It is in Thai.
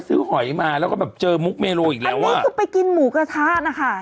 หอยมาแล้วก็แบบเจอมุกเมโลอีกแล้วอ่ะคือไปกินหมูกระทะนะคะ